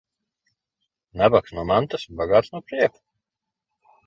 Nabags no mantas, bagāts no prieka.